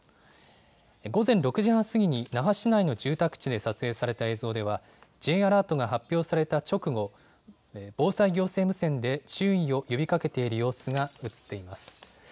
午前６時半過ぎに那覇市内の住宅地で撮影された映像では、Ｊアラートが発表された直後、防災行政無線で注意を呼びかけている様子が写っています。